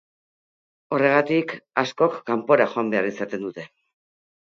Horregatik, askok kanpora joan behar izaten dute.